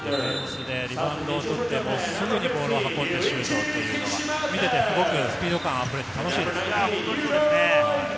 リバウンドを取って、すぐにボールを運んでシュートっていうのが、見ていてすごくスピード感溢れて楽しいですね。